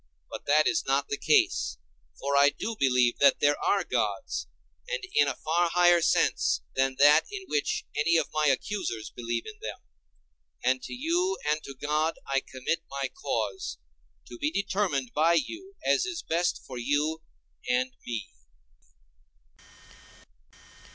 But that is not the case; for I do believe that there are gods, and in a far higher sense than that in which any of my accusers believe in them. And to you and to God I commit my cause, to be determined by you as is best for you and me.